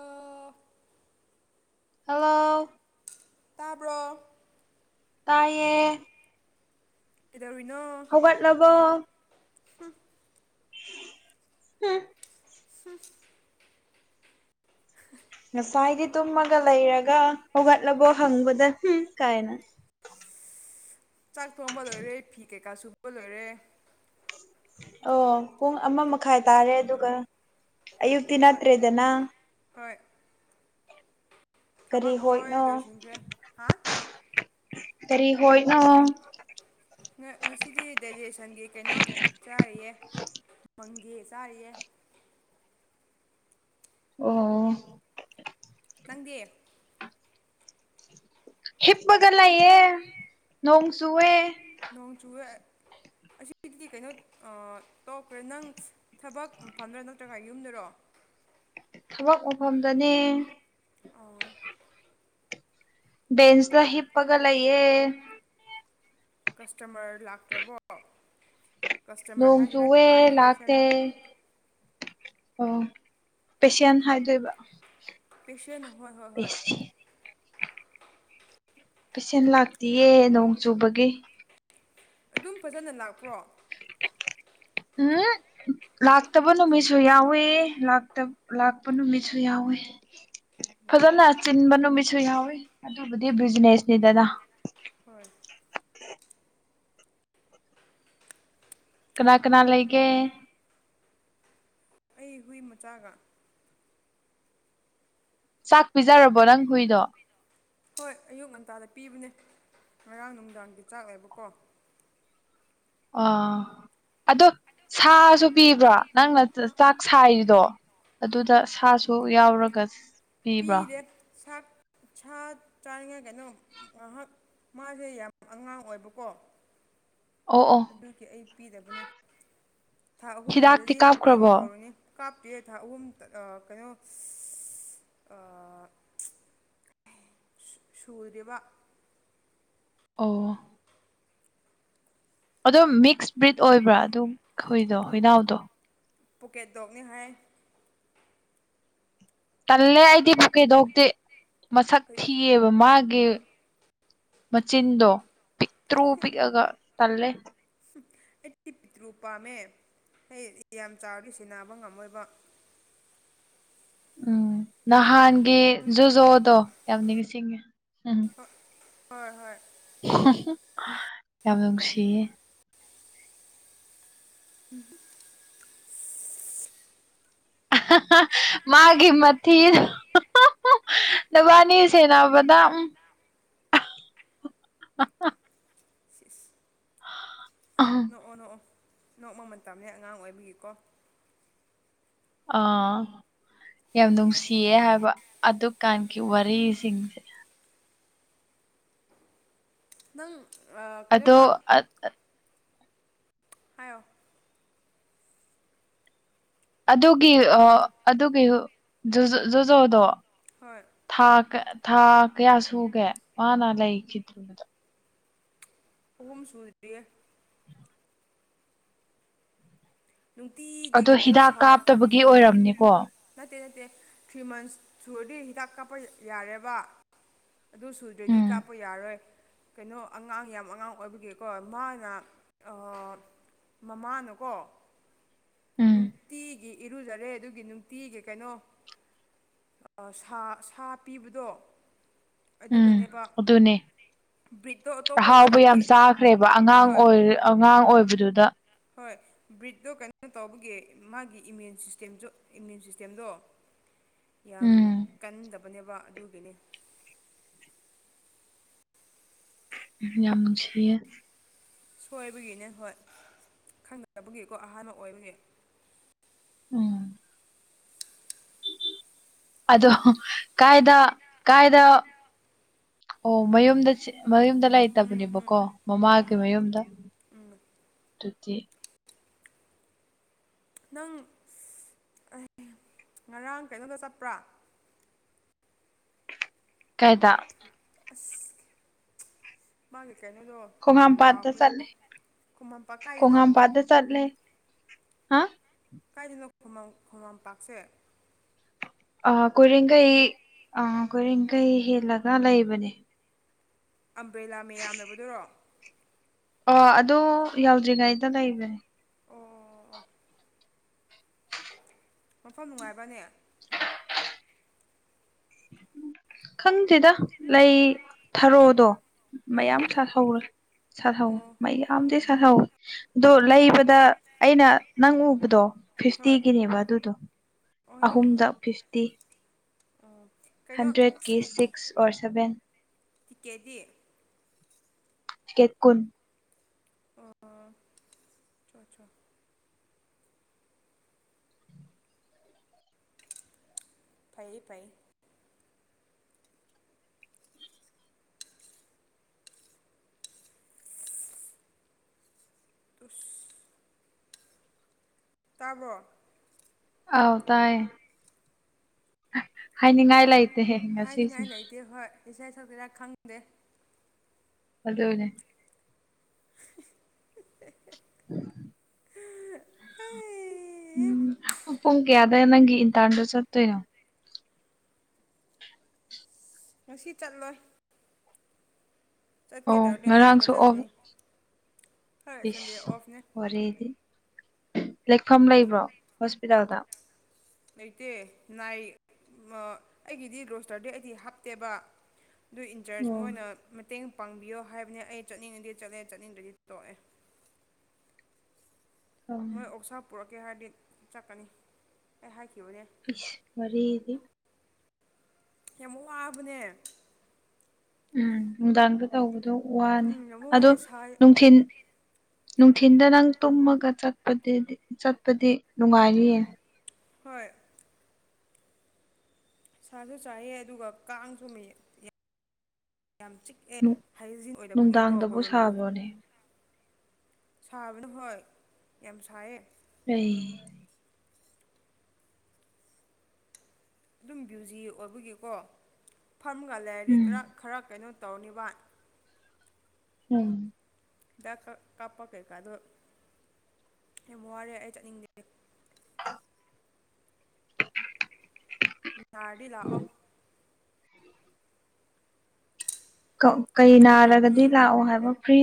ꯑꯣ ꯍꯂꯣ ꯇꯥꯕꯔ‌ꯣ ꯇꯥꯏꯌꯦ ꯀꯩꯗꯧꯔꯤꯅꯣ ꯂꯕ‌‌ꯣ ꯍꯥꯝ ꯉꯁꯥꯏꯒꯩ ꯇꯨꯝꯃꯒ ꯂꯩꯔꯒ ꯍꯧꯒꯠꯂꯕꯣ ꯍꯪꯕꯗ ꯍꯥꯝ ꯀꯥꯏꯅ ꯆꯥꯛ ꯊꯣꯡꯕ ꯂꯣꯏꯔꯦ ꯐꯤ ꯀꯩꯀꯥ ꯁꯨꯕ ꯂꯣꯏꯔꯦ ꯑꯣ ꯄꯨꯡ ꯑꯃ ꯃꯈꯥꯏ ꯇꯥꯔꯦ ꯑꯗꯨꯒ ꯑꯌꯨꯛꯇꯤ ꯍꯣꯏ ꯅꯠꯇ꯭ꯔꯦꯗꯅ ꯍꯣꯏ ꯀꯔꯤ ꯊꯕꯛ ꯂꯣꯏ ꯍꯣꯏꯅꯣ ꯂꯣꯏꯁꯤꯟꯈ꯭ꯔꯦ ꯍꯥ ꯀꯔꯤ ꯍꯣꯏꯅꯣ ꯉ ꯉꯁꯤꯗꯤ ꯗꯥꯏꯖꯦꯁꯟꯒꯤ ꯀꯩꯅꯣ ꯆꯥꯔꯤꯌꯦ ꯃ‌‌ꯪꯒꯦ ꯆꯔꯤꯌꯦ ꯑꯣ ꯅꯪꯗꯤ ꯍꯤꯞꯄꯒ ꯂꯩꯌ‌ꯦ ꯅꯣꯡꯖꯨꯋꯦ ꯅꯣꯡꯆꯨꯋ‌‌ꯦ ꯑꯁꯤꯗꯤ ꯀꯩꯅꯣ ꯑ ꯇꯣꯛꯈ꯭ꯔꯦ ꯅꯪ ꯊꯕꯛ ꯐꯝꯗ꯭ꯔꯥ ꯅꯠꯇ꯭ꯔꯒ ꯌꯨꯝꯗꯔꯣ ꯊꯕꯛ ꯃꯐꯝꯗꯅꯦ ꯑꯣ ꯕꯦꯟꯁ ꯇ ꯍꯤꯞꯄꯒ ꯂꯩꯌꯦ ꯀꯁꯇꯃꯔ ꯂꯥꯛꯇ꯭ꯔꯕꯣ ꯀꯁꯇꯃꯔ ꯅꯣꯡ ꯍꯥꯏꯁꯤꯔꯥ ꯆꯨꯋꯦ ꯀ꯭ꯂꯥꯏꯟ ꯂꯥꯛꯇꯦ ꯍꯥꯏꯁꯤꯔꯥ ꯑꯣ ꯄꯦꯁꯦꯟꯠ ꯍꯥꯏꯗꯣꯏꯕ ꯄꯦꯁꯦꯟꯠ ꯍꯣꯏ ꯍꯣꯏ ꯍꯣꯏ ꯄꯦꯁꯦꯟ ꯄꯦꯁꯦꯟꯠ ꯂꯥꯛꯇꯤꯌꯦ ꯅꯣꯡ ꯆꯨꯕꯒꯤ ꯑꯗꯨꯝ ꯐꯖꯅ ꯂꯥꯛꯄ꯭ꯔꯣ [inaudible] [unintelligible] ꯂꯥꯛꯇꯕ ꯅꯨꯃꯤꯠꯁꯨ ꯌꯥꯎꯋꯤ ꯂꯥꯛꯇ ꯂꯥꯛꯄ ꯅꯨꯃꯤꯠꯁꯨ ꯌꯥꯎꯋꯦ ꯐꯖꯅ ꯆꯤꯟꯕ ꯅꯨꯃꯤꯠꯁꯨ ꯌꯥꯎꯋꯤ ꯑꯗꯨꯕꯨꯗꯤ ꯕꯤꯖꯤꯅꯦꯁ ꯅꯤꯗꯅ ꯍꯣꯏ ꯀꯅꯥ ꯀꯅꯥ ꯂꯩꯒꯦ ꯑꯩ ꯍꯨꯏ ꯃꯆꯥꯒ ꯆꯥꯛ ꯄꯤꯖꯔꯕꯣ ꯅꯪ ꯍꯨꯏꯗꯣ ꯍꯣꯏ ꯑꯌꯨꯛ ꯉꯟꯇꯥꯗ ꯄꯤꯕꯅꯦ ꯉꯔꯥꯡ ꯅꯨꯡꯗꯥꯡꯒꯤ ꯆꯥꯛ ꯂꯩꯕꯀꯣ ꯑꯣ ꯑꯗꯣ ꯁꯥꯁꯨ ꯄꯤꯕ꯭ꯔꯣ ꯅꯪꯅ ꯆꯥꯛ ꯁꯥꯏꯔꯤꯗꯣ ꯑꯗꯨꯗ ꯁꯥꯁꯨ ꯌꯥꯎꯔꯒ ꯄꯤꯕ꯭ꯔꯣ ꯄꯤꯔꯦ ꯁꯥ ꯁꯥ ꯆꯥꯔꯤꯉꯩ ꯀꯩꯅꯣ ꯉꯥꯏꯍꯥꯛ ꯃꯥꯖꯦ ꯌꯥꯝ ꯑꯉꯥꯡ ꯑꯣꯏꯕꯀꯣ [inaudible] ꯑꯣ ꯑꯣ ꯑꯗꯨꯒꯤ ꯑꯩ ꯄꯤꯗꯕꯅꯦ ꯊꯥ ꯑꯍꯨꯝ ꯍꯤꯗꯥꯛꯇꯤ ꯍꯦꯜꯂꯗꯤ ꯄꯤꯕ ꯀꯥꯞꯈ꯭ꯔꯕꯣ ꯍꯧꯔꯅꯤ ꯀꯥꯞꯄꯇꯦ ꯊꯥ ꯑꯍꯨꯝ ꯀꯩꯅꯣ ꯑ ꯁꯨꯗꯦꯕ ꯑꯣ ꯑꯗꯣ ꯃꯤꯛꯁ ꯕ꯭ꯔꯤꯠ ꯑꯣꯏꯕ꯭ꯔꯥ ꯑꯗꯨ ꯍꯨꯏꯗꯣ ꯍꯨꯏꯅꯥꯎꯗꯣ ꯄꯣꯀꯦꯠ ꯗꯣꯛꯅꯤ ꯍꯥꯏ ꯇꯜꯂꯦ ꯑꯩꯗꯤ ꯄꯣꯀꯦꯠ ꯗꯣꯒꯇꯤ ꯃꯁꯛ ꯊꯤꯌꯦꯕ ꯃꯥꯒꯤ ꯃꯆꯤꯟꯗꯣ ꯄꯤꯛꯇ꯭ꯔꯨ ꯄꯤꯛꯑꯒ ꯇꯜꯂꯦ ꯑꯩꯗꯤ ꯄꯤꯇ꯭ꯔꯨ ꯄꯥꯝꯃꯦ ꯍꯩ ꯌꯥꯝ ꯆꯥꯎꯔꯗꯤ ꯁꯦꯟꯅꯕ ꯉꯝꯃꯣꯏꯕ ꯎꯝ ꯅꯍꯥꯟꯒꯤ ꯖꯨꯖꯣꯗꯣ ꯌꯥꯝ ꯅꯤꯡꯁꯤꯡꯉꯦ ꯎꯝ ꯍꯣꯏ ꯍꯣꯏ ꯍꯨꯝꯍꯨꯝ ꯌꯥꯝ ꯅꯨꯡꯁꯤꯌꯦ [unintelligible] ꯑꯍꯥꯍꯥ ꯃꯥꯒꯤ ꯃꯊꯤꯗꯣ ꯅꯕꯥꯅꯤ ꯁꯦꯟꯅꯕꯗꯥ ꯍꯥ ꯍꯥ ꯏꯁ ꯏꯁ ꯑꯍ ꯅꯣꯛꯑꯣ ꯅꯣꯛꯑꯣ ꯅꯣꯛꯃ ꯃꯇꯝꯅꯦ ꯑꯉꯥꯡ ꯑꯣꯏꯕꯤꯒꯤꯀꯣ ꯑꯥ ꯌꯥꯝ ꯅꯨꯡꯁꯤꯌꯦ ꯍꯥꯏꯕ ꯑꯗꯨꯀꯥꯟꯒꯤ ꯋꯥꯔꯤꯁꯤꯡꯁꯦ ꯅꯪ ꯑ ꯑꯗꯣ ꯀꯩꯅꯣꯗ ꯍꯥꯏꯌꯣ ꯑꯗꯨꯒꯤ ꯑ ꯑꯗꯨꯒꯤ ꯖꯨꯖ ꯖꯨꯖꯣꯗꯣ ꯍꯣꯏ ꯊꯥ ꯊꯥ ꯀꯌꯥ ꯁꯨꯒꯦ ꯃꯥꯅ ꯂꯩꯈꯤꯗ꯭ꯔꯤꯗꯣ ꯑꯍꯨꯝ ꯁꯨꯗ꯭ꯔꯤꯌꯦ ꯅꯨꯡꯇꯤꯒꯤ ꯑꯗꯣ ꯀꯩꯅꯣ ꯍꯤꯗꯥꯛ ꯁꯥꯞ ꯀꯥꯞꯇꯕꯒꯤ ꯑꯣꯏꯔꯝꯅꯤꯀꯣ ꯅꯠꯇꯦ ꯅꯠꯇꯦ ꯊ꯭ꯔꯤ ꯃꯟꯁ ꯁꯨꯔꯗꯤ ꯍꯤꯗꯥꯛ ꯀꯥꯞꯄ ꯌꯥꯔꯦꯕ ꯑꯗꯨ ꯁꯨꯗ꯭ꯔꯗꯤ ꯎꯝ ꯀꯥꯞꯄ ꯌꯥꯔꯣꯏ ꯀꯩꯅꯣ ꯑꯉꯥꯡ ꯌꯥꯝ ꯑꯉꯥꯡ ꯑꯣꯏꯕꯒꯤꯀꯣ ꯃꯥꯅ ꯃꯃꯥꯅꯀꯣ ꯎꯝ ꯅꯨꯡꯇꯤꯒꯤ ꯏꯔꯨꯖꯔꯦ ꯑꯗꯨꯒꯤ ꯅꯨꯡꯇꯤꯒꯤ ꯀꯩꯅꯣ ꯁꯥ ꯁꯥ ꯄꯤꯕꯗꯣ ꯎꯝ ꯑꯗꯨꯅꯅꯦꯕ ꯑꯗꯨꯅꯦ ꯕꯔꯤꯠꯇꯣ ꯑꯍꯥꯎꯕ ꯌꯥꯝ ꯆꯥꯈ꯭ꯔꯦꯕ ꯑꯉꯥꯡ ꯑꯣꯏ ꯑꯉꯥꯡ ꯑꯣꯏꯕꯗꯨꯗ ꯍꯣꯏ ꯕꯔꯤꯠꯇꯣ ꯇꯧꯕꯒꯤ ꯃꯥꯒꯤ ꯏꯃ꯭ꯌꯨꯟ ꯁꯤꯁꯇꯦꯝꯁꯨ ꯏꯃ꯭ꯌꯨꯟ ꯁꯤꯁꯇꯦꯝꯗꯣ ꯌꯥꯝ ꯎꯝ ꯀꯟꯗꯕꯅꯦꯕ ꯑꯗꯨꯒꯤ ꯌꯥꯝ ꯅꯨꯡꯁꯤꯌꯦ ꯁꯣꯏꯕꯒꯤꯅꯦ ꯍꯣꯏ ꯈꯪꯅꯗꯕꯒꯤꯀꯣ ꯑꯍꯥꯟꯕ ꯑꯣꯏꯕꯒꯤ ꯎꯝ ꯑꯗꯣ ꯀꯥꯏꯗ ꯀꯥꯏꯗ ꯑꯣ ꯃꯌꯨꯝꯗ ꯃꯌꯨꯝꯗ ꯂꯩꯇꯕꯅꯦꯕꯀꯣ ꯃꯃꯥꯒꯤ ꯃꯌꯨꯝꯗ ꯑꯗꯨꯗꯤ ꯅꯪ ꯉꯔꯥꯡ ꯀꯩꯅꯣꯗ ꯆꯠꯄ꯭ꯔꯥ ꯀꯥꯏꯗ ꯑꯁ ꯃꯥꯒꯤ ꯀꯩꯅꯣꯗꯣ ꯈꯣꯍꯥꯝꯄꯥꯠꯇꯥ ꯀꯥꯎꯈ꯭ꯔꯦ ꯆꯠꯂꯦ ꯈꯨꯃꯟꯄꯥꯛ ꯀꯥꯏꯗꯅꯣ ꯈꯣꯍꯥꯝꯄꯥꯠꯇꯥ ꯆꯠꯂꯦ ꯀꯥꯏꯗꯅꯣ ꯈꯨꯝꯃꯥꯡ ꯈꯨꯃꯥꯡꯄꯥꯛꯁꯦ ꯑꯥ ꯀꯣꯏꯔꯦꯡꯒꯩ ꯑꯥ ꯀꯣꯏꯔꯦꯡꯒꯩ ꯍꯦꯜꯂꯒ ꯂꯩꯕꯅꯦ ꯑꯝꯕ꯭ꯔꯦꯂꯥ ꯃꯌꯥꯝ ꯂꯩꯕꯗꯨꯔꯣ ꯑꯣ ꯑꯗꯨ ꯌꯥꯎꯗ꯭ꯔꯤꯉꯩꯗ ꯂꯩꯕꯅꯦ ꯑꯣ ꯃꯐꯝ ꯅꯨꯡꯉꯥꯏꯕꯅꯦ ꯈꯪꯗꯦꯗ ꯂꯩ ꯊꯔꯣꯗꯣ ꯃꯌꯥꯝ ꯁꯥꯠꯍꯧꯕꯅꯦ ꯁꯥꯠꯍꯥꯎ ꯑꯣ ꯃꯌꯥꯝꯗꯤ ꯁꯥꯠꯍꯥꯎꯋꯦ ꯑꯗꯣ ꯂꯩꯕꯗ ꯑꯩꯅ ꯅꯪ ꯎꯕꯗꯣ ꯍꯣꯏ ꯐꯤꯐꯇꯤꯒꯤꯅꯦꯕ ꯑꯗꯨꯗꯣ ꯑꯍꯨꯝꯗ ꯐꯤꯐꯇꯤ ꯑꯥ ꯍꯟꯗ꯭ꯔꯦꯠꯀꯤ ꯁꯤꯛꯁ ꯑꯣꯔ ꯁꯚꯦꯟ ꯇꯤꯀꯦꯠꯗꯤ ꯇꯤꯀꯦꯠ ꯀꯨꯟ [unintelligible] ꯐꯩꯌꯦ ꯐꯩ ꯇꯨꯁ ꯇꯥꯕ꯭ꯔꯣ ꯑꯥꯎ ꯇꯥꯏꯌꯦ ꯍꯥꯏꯅꯤꯡꯉꯥꯏ ꯂꯩꯇꯦꯍꯦ ꯉꯁꯤꯁꯦ ꯍꯥꯏꯅꯤꯡꯉꯥꯏ ꯂꯩꯇꯦ ꯍꯣꯏ ꯏꯁꯩ ꯁꯛꯁꯤꯔ ꯈꯪꯗꯦ ꯑꯗꯨꯅꯦ [unintelligible] ꯑꯩ ꯎꯝ ꯄꯨꯡ ꯀꯌꯥꯗ ꯅꯪꯒꯤ ꯏꯟꯇꯥꯔꯟꯗꯣ ꯆꯠꯇꯣꯏꯅꯣ ꯉꯁꯤ ꯆꯠꯂꯣꯏ ꯆꯠꯀꯦ ꯑꯣ ꯇꯧꯔꯗꯤ ꯅꯥꯏꯜꯗ ꯉꯔꯥꯡꯁꯨ ꯑꯣꯐ ꯆꯠꯂꯅꯤ ꯐꯔꯥꯁ ꯁꯟꯗꯦ ꯏꯁ ꯑꯣꯐꯅꯦ ꯋꯥꯔꯤꯗꯤ ꯂꯦꯛꯐꯝ ꯂꯩꯕ꯭ꯔꯣ ꯍꯣꯁꯄꯤꯇꯥꯜꯗ ꯂꯩꯇꯦ ꯅꯥꯏ ꯑꯩꯒꯤꯗꯤ ꯔꯣꯁꯇꯔꯗꯤ ꯑꯩꯗꯤ ꯍꯥꯞꯇꯦꯕ ꯑꯗꯨ ꯏꯟꯆꯥꯔꯖ ꯑꯣ ꯃꯣꯏꯅ ꯃꯇꯦꯡ ꯄꯥꯡꯕꯤꯌꯣ ꯍꯥꯏꯕꯅꯦ ꯑꯩ ꯆꯠꯅꯤꯡꯉꯗꯤ ꯆꯠꯂꯦ ꯆꯠꯅꯤꯡꯗ꯭ꯔꯗꯤ ꯇꯣꯛꯑꯦ ꯎꯝ ꯃꯣꯏ ꯑꯣꯛꯁꯥ ꯄꯨꯔꯛꯀꯦ ꯍꯥꯏꯔꯗꯤ ꯆꯠꯀꯅꯤ ꯑꯩ ꯍꯥꯏꯈꯤꯕꯅꯦ ꯏꯁ ꯋꯥꯔꯤꯗꯤ ꯌꯥꯝ ꯋꯥꯕꯅꯦ ꯎꯝ ꯅꯨꯡꯗꯥꯡꯗ ꯇꯧꯕꯗꯣ ꯋꯥꯅꯤ ꯎꯝ ꯌꯥꯝ ꯑꯗꯣ ꯋꯥꯏꯑꯦ ꯁꯥꯏ ꯅꯨꯡꯊꯤꯟ ꯅꯨꯡꯊꯤꯟꯗ ꯅꯪ ꯇꯨꯝꯃꯒ ꯆꯠꯄ ꯆꯠꯄꯗꯤ ꯅꯨꯡꯉꯥꯏꯔꯤꯌꯦ ꯍꯣꯏ ꯁꯥꯁꯨ ꯆꯥꯏꯑꯦ ꯑꯗꯨꯒ ꯀꯥꯡꯁꯨ ꯃꯌꯦꯛ ꯌꯥꯝ ꯑꯦ ꯍꯥꯏꯖꯤ ꯑꯣꯏꯗꯕꯒꯤꯀꯣ ꯅꯨꯡꯗꯥꯡꯗꯕꯨ ꯀꯔꯣ ꯃꯅꯣ ꯁꯥꯕ꯭ꯔꯣꯅꯦ ꯁꯥꯕꯅ ꯍꯣꯏ ꯌꯥꯝ ꯁꯥꯏꯌꯦ ꯑꯩ ꯑꯗꯨꯝ ꯕꯌꯨꯖꯤ ꯑꯣꯏꯕꯒꯤꯀꯣ ꯐꯔꯝꯒ ꯂꯩꯥꯏꯔꯤ ꯎꯝ ꯈꯔ ꯈꯔ ꯀꯩꯅꯣ ꯇꯧꯔꯅꯤꯕ ꯎꯝ ꯍꯤꯗꯥꯛ ꯀꯥꯞꯄ ꯀꯩꯀꯥꯗꯣ ꯌꯥꯝ ꯋꯥꯔꯦ ꯑꯩ ꯆꯠꯅꯤꯡꯗꯦ ꯍꯥ ꯌꯥꯔꯗꯤ ꯂꯥꯛꯑꯣ ꯀꯩ ꯑꯩ ꯅꯥꯔꯒꯗꯤ ꯀꯥꯞꯄꯤꯒꯦ ꯂꯥꯛꯑꯣ ꯍꯥꯏꯕ ꯐ꯭ꯔꯤ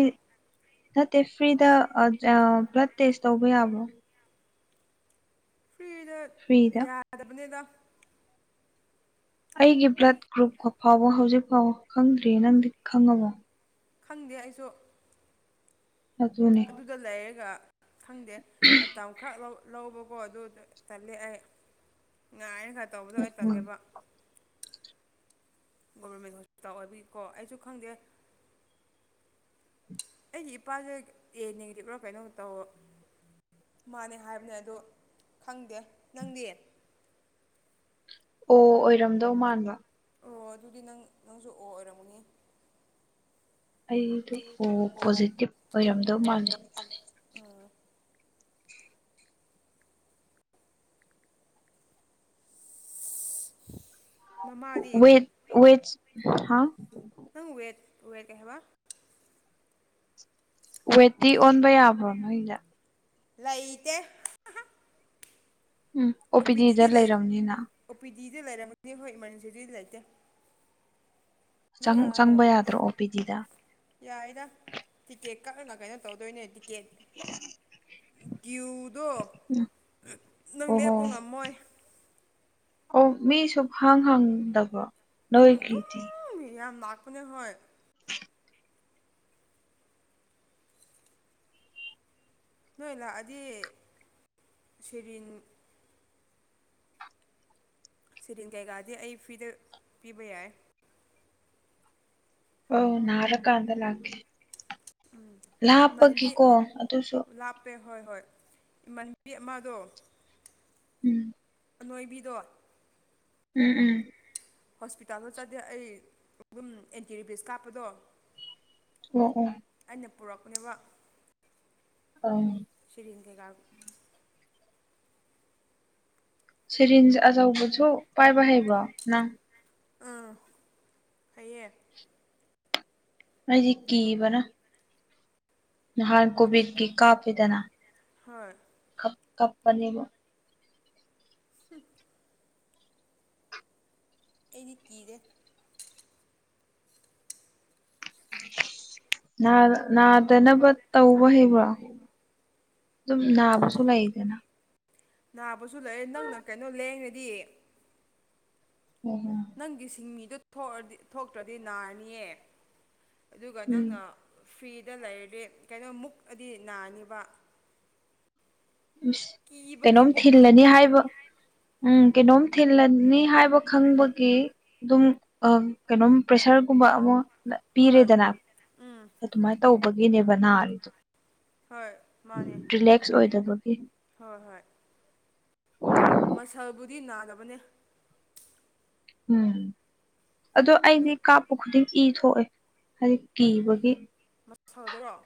ꯅꯠꯇꯦ ꯐ꯭ꯔꯤꯗ ꯕ꯭ꯂꯗ ꯇꯦꯁ ꯇꯧꯕ ꯌꯥꯕꯣ ꯐ꯭ꯔꯤꯗ ꯐ꯭ꯔꯤꯗ ꯌꯥꯗꯕꯅꯤꯅ ꯑꯩꯒꯤ ꯕ꯭ꯂꯠ ꯒ꯭ꯔꯨꯞ ꯐꯥꯎꯕ ꯍꯧꯖꯤꯛꯐꯥꯎ ꯈꯪꯗ꯭ꯔꯤ ꯅꯪꯗꯤ ꯈꯪꯉꯃꯣ ꯈꯪꯗꯦ ꯑꯩꯁꯨ ꯑꯗꯨꯅꯤ ꯑꯗꯨꯨꯗ ꯂꯩꯔꯒ ꯈꯪꯗꯦ ꯃꯇꯝ ꯈꯔ ꯂꯧ ꯂꯧꯕꯀꯣ ꯑꯗꯨ ꯇꯜꯂꯦ ꯑꯩ ꯉꯥꯏꯅ ꯈꯔ ꯇꯧꯕꯗꯣ ꯑꯩ ꯎꯝ ꯇꯜꯂꯦꯕ ꯒꯣꯕꯔꯃꯦꯟ ꯍꯣꯁꯄꯤꯇꯥꯜ ꯑꯣꯏꯕꯒꯤꯀꯣ ꯑꯩꯁꯨ ꯈꯪꯗꯦ ꯑꯩꯒꯤ ꯏꯄꯥꯁꯦ ꯌꯦ ꯅꯒꯇꯕ꯭ꯔꯣ ꯀꯩꯅꯣꯝ ꯇꯧꯣ ꯃꯥꯅꯦ ꯍꯥꯏꯕꯅꯦ ꯑꯗ ꯈꯪꯗꯦ ꯅꯪꯗꯤ ꯑꯣ ꯑꯣꯏꯔꯝꯗꯧ ꯃꯥꯟꯕ ꯑꯣ ꯑꯗꯨꯗꯤ ꯅꯪ ꯅꯪꯁꯨ ꯑꯣ ꯑꯣꯏꯔꯝꯃꯨꯅꯤ ꯑꯩꯗꯨ ꯄꯣꯖꯤꯇꯤꯕ ꯑꯣꯏꯔꯝꯗꯧ ꯃꯥꯜꯂꯦ ꯑꯥ [unintelligible] ꯑꯣꯏ ꯑꯣꯏꯦ ꯍꯥ ꯅꯪ ꯋꯦꯠ ꯋꯦꯠ ꯀꯩꯕ ꯋꯦꯠꯇꯤ ꯑꯣꯟꯕ ꯌꯥꯕ꯭ꯔꯣꯅꯣ ꯏꯂ ꯂꯩꯇꯦ ꯎꯝ ꯑꯣ ꯄꯤ ꯗꯤ ꯂꯩ ꯑꯣ ꯄꯤ ꯗꯤ ꯂꯩꯔꯝꯒꯅꯤ ꯍꯣꯏ ꯏꯃꯥꯔꯖꯦꯟꯁꯤꯗꯨꯗꯤ ꯂꯩꯇꯦ ꯅꯣꯔꯥꯗꯣ ꯆꯪꯕ ꯌꯥꯗ꯭ꯔꯣ ꯑꯣ ꯄꯤ ꯗꯤꯗ ꯌꯥꯏꯗ ꯇꯤꯛꯀꯦꯠ ꯀꯛꯂꯒ ꯀꯩꯅꯣ ꯇꯧꯗꯣꯏꯅꯦ ꯇꯤꯛꯀꯦꯠ ꯀ꯭ꯌꯨꯗꯣ ꯅꯪ ꯑꯣꯍꯣ ꯂꯦꯞꯄ ꯉꯝꯃꯣꯏ ꯑꯣ ꯃꯤ ꯁꯨꯝ ꯍꯪ ꯍꯪꯗꯕ꯭ꯔꯣ ꯎꯝ ꯇ ꯍꯌꯥ ꯃꯥꯛ ꯃꯅꯦ ꯍ ꯅꯣꯏ ꯂꯥꯛꯑꯗꯤ ꯁꯦꯔꯤꯟ ꯁꯤꯦꯔꯤꯟ ꯀꯩꯀꯥꯗꯤ ꯑꯩ ꯐ꯭ꯔꯤꯗ ꯄꯤꯕ ꯌꯥꯏ ꯑꯧ ꯅꯥꯔꯀꯥꯟꯗ ꯂꯥꯛꯀꯦ ꯏꯃꯥꯟꯅꯕꯤ ꯂꯥꯞꯄꯒꯤꯀꯣ ꯑꯗꯨꯁꯨ ꯂꯥꯞꯄꯦ ꯍꯣꯏ ꯍꯣꯏ ꯏꯃꯥꯟꯕꯤ ꯑꯃꯗꯣ ꯎꯝ ꯅꯅꯣꯏꯕꯤꯗꯣ ꯎꯝ ꯎꯝ ꯍꯣꯁꯄꯤꯇꯥꯜꯗ ꯆꯠꯗꯦ ꯑꯩ ꯑꯗꯨꯝ ꯑꯦꯟꯇꯤꯕꯤꯁ ꯀꯥꯞꯄꯗꯣ ꯑꯣ ꯎꯝ ꯑꯩꯅ ꯄꯨꯔꯛꯄꯅꯦꯕ ꯑ ꯁꯤꯔꯤꯡ ꯀꯩꯀꯥ ꯁꯔꯤꯟꯁ ꯑꯆꯧꯕꯁꯨ ꯄꯥꯏꯕ ꯍꯩꯕ꯭ꯔꯣ ꯅꯪ ꯑꯥ ꯐꯌꯦ ꯑꯩꯗꯤ ꯀꯤꯕꯅ ꯅꯍꯥꯟ ꯑꯗꯨ ꯀꯣꯚꯤꯠꯀꯤ ꯀꯥꯞꯄꯤꯗꯅ ꯍꯣꯏ ꯀꯥꯞꯄꯅꯦꯕ inaudible ꯑꯩꯗꯤ ꯀꯤꯗꯦ ꯅꯥꯗꯅꯕ ꯇꯧꯕ ꯍꯩꯕ꯭ꯔꯣ ꯑꯗꯨꯝ ꯅꯥꯕꯁꯨ ꯂꯩꯗꯅ ꯅꯥꯕꯁꯨ ꯂꯩꯌꯦ ꯅꯪꯅ ꯀꯩꯅꯣ ꯂꯦꯡꯔꯗꯤ [unintelligible] ꯅꯪꯒꯤ ꯁꯤꯡꯃꯤꯗꯨ ꯊꯦꯛꯑꯗꯤ ꯊꯣꯛꯇ꯭ꯔꯗꯤ ꯅꯥꯔꯅꯤꯌꯦ ꯑꯗꯨꯒ ꯅꯪꯅ ꯐ꯭ꯔꯤꯗ ꯂꯩꯔꯗꯤ ꯀꯩꯅꯣ ꯃꯨꯛ ꯑꯗꯤ ꯅꯥꯅꯤꯕ ꯏꯁ ꯀꯤꯕꯒꯤ ꯀꯩꯅꯣꯝ ꯃꯨꯛꯄꯗꯣ ꯊꯤꯜꯂꯅꯤ ꯍꯥꯏꯕ ꯎꯝ ꯀꯩꯅꯣꯝ ꯊꯤꯜꯂꯅꯤ ꯍꯥꯏꯕ ꯈꯪꯕꯒꯤ ꯑꯗꯨꯝ ꯑ ꯀꯩꯅꯣꯝ ꯄ꯭ꯔꯦꯁꯔꯒꯨꯝꯕ ꯑꯃ ꯍꯣꯏ ꯄꯤꯔꯦꯗꯅ ꯑꯗꯨꯃꯥꯏꯅ ꯇꯧꯕꯒꯤꯅꯦꯕ ꯅꯥꯔꯤꯗꯣ ꯍꯣꯏ ꯃꯥꯅꯦ ꯔꯤꯂꯦꯛꯁ ꯑꯣꯏꯗꯕ ꯍꯣꯏ ꯍꯣꯏ ꯃꯁꯜꯕꯨꯗꯤ ꯅꯥꯗꯕꯅꯦ ꯎꯝ ꯑꯗꯣ ꯑꯗꯨ ꯑꯩꯗꯤ ꯀꯥꯞꯄ ꯈꯨꯗꯤꯡ ꯏ ꯊꯣꯛꯑꯦ ꯍꯥꯏꯗꯤ ꯀꯤꯕꯒꯤ ꯁꯥꯗꯣꯏꯔꯣ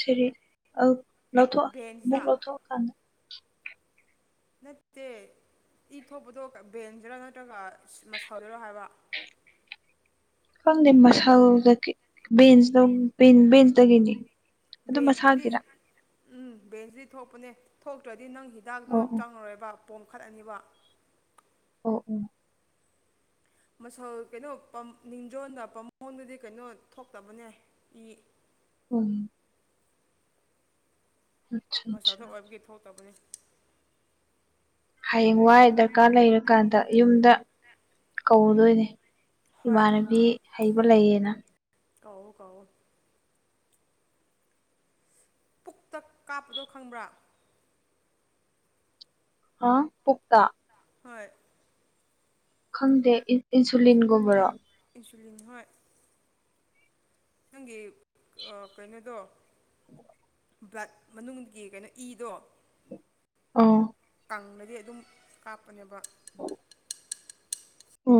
ꯁꯦꯔꯤ ꯑ ꯂꯧꯊꯣꯛꯑ ꯑꯃꯨꯛ ꯕꯦꯟꯁꯇ ꯂꯧꯊꯣꯛꯑꯀꯥꯟꯗ ꯅꯠꯇꯦ ꯏ ꯊꯣꯛꯄꯗꯣ ꯕꯦꯟꯁꯗꯔꯥ ꯅꯠꯇ꯭ꯔꯒ ꯃꯁꯜꯗꯔꯣ ꯍꯥꯏꯕ ꯈꯪꯗꯦ ꯃꯁꯜꯗꯒꯤ ꯚꯦꯟꯁꯗꯣ ꯕꯤꯟ ꯚꯦꯟꯁꯇꯒꯤꯅꯤ ꯚꯦꯟꯁꯇꯗꯤ ꯎꯝ ꯚꯦꯟꯁꯇꯗꯤ ꯊꯣꯛꯄꯅꯦ ꯊꯣꯛꯇ꯭ꯔꯗꯤ ꯅꯪ ꯍꯤꯗꯥꯛꯇꯣ ꯑꯣ ꯑꯣ ꯆꯪꯉꯔꯣꯏꯕ ꯄꯣꯝꯈꯠꯂꯅꯤꯕ ꯑꯣ ꯑꯣ ꯃꯁꯜ ꯀꯩꯅꯣ ꯅꯤꯡꯖꯣꯟꯒ ꯄꯝꯃꯣꯡꯗꯗꯤ ꯀꯩꯅꯣ ꯊꯣꯛꯇꯕꯅꯦ ꯏ ꯎꯝ ꯑꯠꯆꯥ ꯃꯁꯜꯗ ꯑꯠꯆꯥ ꯑꯣꯏꯕꯒꯤ ꯊꯣꯛꯇꯕꯅꯤ ꯍꯌꯦꯡꯋꯥꯏ ꯗꯔꯀꯥꯔ ꯂꯩꯔꯀꯥꯟꯗ ꯌꯨꯝꯗ ꯀꯧꯗꯣꯏꯅꯦ ꯍꯣꯏ ꯏꯃꯥꯟꯅꯕꯤ ꯍꯩꯕ ꯂꯩꯌꯦꯅ ꯀꯧꯋꯣ ꯀꯧꯋꯣ ꯇꯛ ꯀꯥꯞꯄꯗꯣ ꯈꯪꯕ꯭ꯔꯥ ꯑ ꯄꯨꯛꯇꯥ ꯍꯣꯏ ꯈꯪꯗꯦ ꯏꯟꯁꯨꯂꯤꯟꯒꯨꯝꯕꯔꯣ ꯏꯟꯁꯨꯂꯤꯟ ꯍꯣꯏ ꯅꯪꯒꯤ ꯑ ꯀꯩꯅꯣꯗꯣ ꯕ꯭ꯂꯠ ꯃꯅꯨꯡꯗꯒꯤ ꯀꯩꯅꯣ ꯏꯗꯣ ꯑꯣ ꯀꯪꯉꯗꯤ ꯑꯗꯨꯝ ꯀꯥꯞꯄꯅꯦꯕ ꯑꯣ